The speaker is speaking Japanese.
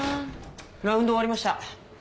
ラウンド終わりました。